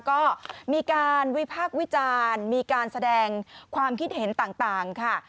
ก็มีการวิพากษ์วิจารณ์มีการแสดงความคิดเห็นต่างค่ะ